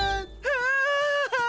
ああ！